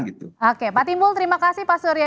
oke pak timbul terima kasih pak surya